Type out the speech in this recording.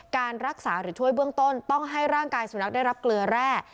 การรักษาหรือช่วยเบื้องต้นต้องให้ร่างกายสุนัขได้รับเกลือแร่